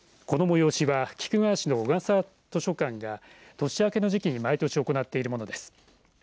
この催しは菊川市の小笠図書館が年明けの時期に毎年行っているものです。